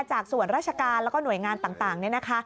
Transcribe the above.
จากส่วนราชการแล้วก็หน่วยงานต่าง